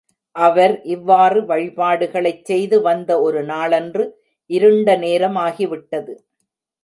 அவர், இவ்வாறு வழிபாடுகளைச் செய்து வந்த ஒரு நாளன்று இருண்ட நேரமாகி விட்டது.